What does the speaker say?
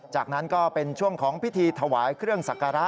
จากนั้นก็เป็นช่วงของพิธีถวายเครื่องสักการะ